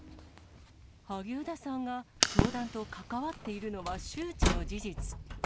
萩生田さんが教団と関わっているのは周知の事実。